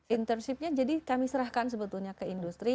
internship nya jadi kami serahkan sebetulnya ke industri